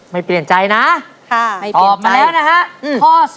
ไม่เปลี่ยนใจนะตอบมาแล้วนะคะ